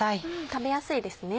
食べやすいですね。